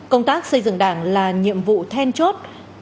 công tác xây dựng đảng là nhiệm vụ then chốt